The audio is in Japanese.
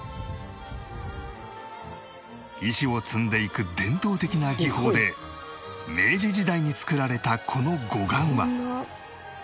石を積んでいく伝統的な技法で明治時代に作られたこの護岸は